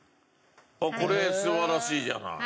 あっこれ素晴らしいじゃない。